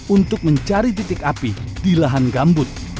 untuk mencari titik api di lahan gambut